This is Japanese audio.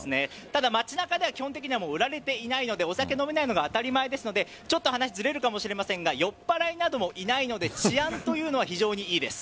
ただ、街中では売られていないのでお酒が飲めないのが当たり前ですので話がずれるかもしれませんが酔っぱらいなどもいないので治安というのは非常に良いです。